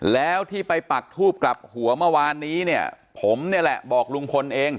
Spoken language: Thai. แล้วที่ไปปักทูบกลับหัวเมื่อวานนี้เนี่ยผมเนี่ยแหละบอกลุงพลเอง